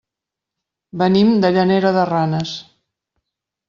Venim de Llanera de Ranes.